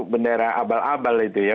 bendera abal abal itu ya